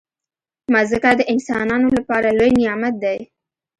مځکه د انسانانو لپاره لوی نعمت دی.